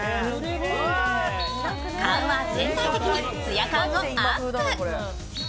顔は全体的にツヤ感をアップ。